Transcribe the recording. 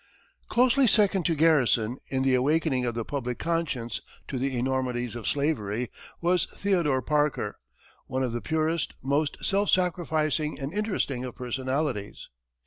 Closely second to Garrison in the awakening of the public conscience to the enormities of slavery was Theodore Parker, one of the purest, most self sacrificing and interesting of personalities.